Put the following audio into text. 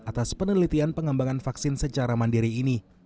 atas penelitian pengembangan vaksin secara mandiri ini